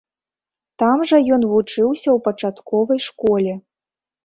Там жа ён вучыўся ў пачатковай школе.